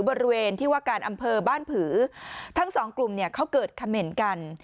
บริเวณที่วากาศอำเภอบ้านผือทั้งสองกลุ่มเขาเกิดคำเหม็นกัน